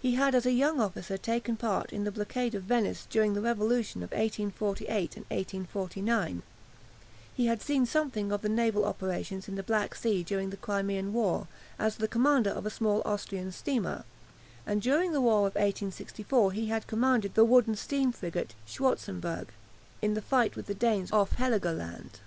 He had as a young officer taken part in the blockade of Venice during the revolution of 1848 and 1849; he had seen something of the naval operations in the Black Sea during the Crimean War, as the commander of a small Austrian steamer, and during the war of 1864 he had commanded the wooden steam frigate "Schwarzenberg" in the fight with the Danes off Heligoland.